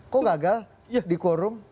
kok gagal di quorum